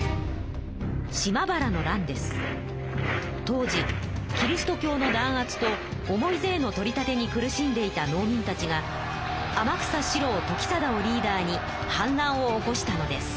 当時キリスト教のだん圧と重い税の取り立てに苦しんでいた農民たちが天草四郎時貞をリーダーに反乱を起こしたのです。